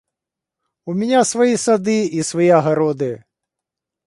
У меня свои сады и свои огороды.